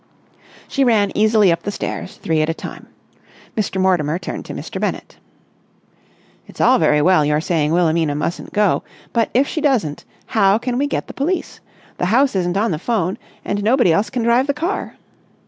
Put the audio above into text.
She ran easily up the stairs, three at a time. Mr. Mortimer turned to Mr. Bennett. "It's all very well your saying Wilhelmina mustn't go, but, if she doesn't, how can we get the police? The house isn't on the 'phone, and nobody else can drive the car."